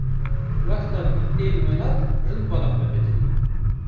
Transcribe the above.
wexta ku tên welêt rind bala xwe bidinê.